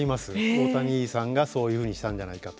大谷さんがそういうふうにしたんじゃないかと。